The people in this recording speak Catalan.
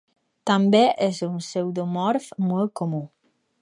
També és un pseudomorf molt comú.